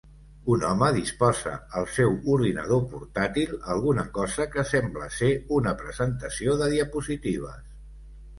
Un home disposa el seu ordinador portàtil alguna cosa que sembla ser una presentació de diapositives.